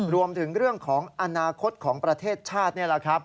รวมถึงเรื่องของอนาคตของประเทศชาตินี่แหละครับ